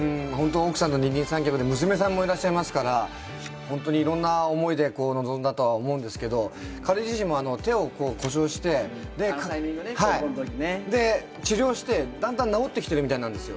奥さんと二人三脚で娘さんもいらっしゃいますから本当にいろんな思いで臨んだと思うんですけど、彼自身も手を故障して、治療してだんだん治ってきているみたいなんですよ。